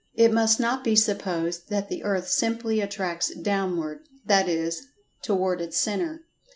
It must not be supposed that the Earth simply attracts "downward," that is, toward its centre.